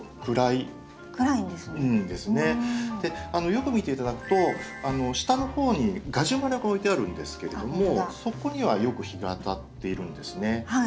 よく見て頂くと下の方にガジュマルが置いてあるんですけれどもそこにはよく日が当たっているんですね。